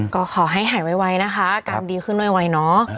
ก็ขอให้หายไวนะคะอาการดีขึ้นไวเนอะ